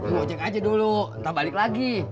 ngojek aja dulu ntar balik lagi